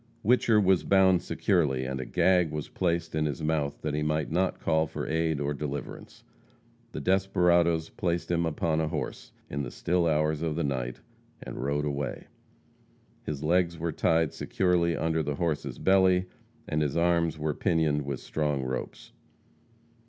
Whicher was bound securely, and a gag was placed in his mouth that he might call for no aid or deliverance. The desperadoes placed hum upon a horse, in the still hours of the night, and rode away. His legs were tied securely under the horse's belly, and his arms were pinioned with strong ropes.